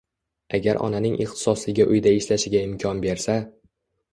Agar onaning ixtisosligi uyda ishlashiga imkon bersa